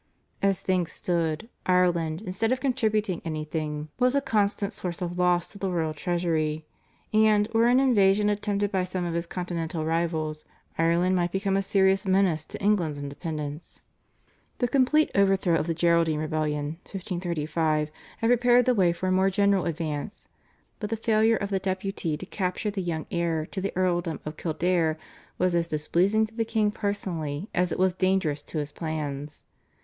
As things stood, Ireland instead of contributing anything was a constant source of loss to the royal treasury, and, were an invasion attempted by some of his Continental rivals, Ireland might become a serious menace to England's independence. The complete overthrow of the Geraldine rebellion (1535) had prepared the way for a more general advance, but the failure of the Deputy to capture the young heir to the Earldom of Kildare was as displeasing to the king personally as it was dangerous to his plans.